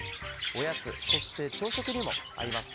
おやつそして朝食にも合います